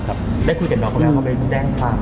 ได้คุยกับน้องคนแล้วเขาไม่ได้แจ้งค่ะ